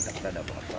takut ada apa apa